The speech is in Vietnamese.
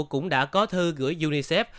cũng đã có thư gửi unicef